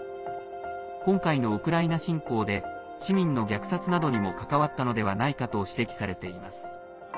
今回のウクライナ侵攻で市民の虐殺などにも関わったのではないかと指摘されています。